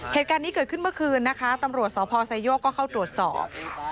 เหตุการณ์นี้เกิดขึ้นเมื่อคืนนะคะตำรวจสพไซโยกก็เข้าตรวจสอบ